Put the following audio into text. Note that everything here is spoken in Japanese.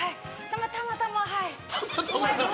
たまたまはい。